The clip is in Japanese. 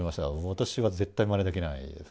私は絶対まねできないです。